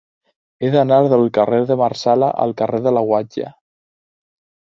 He d'anar del carrer de Marsala al carrer de la Guatlla.